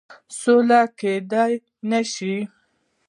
سوله کېدلای نه سي.